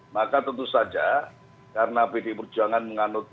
maka tentu saja karena pd perjuangan menganutkan